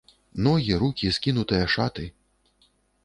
Ногі, рукі, скінутыя шаты.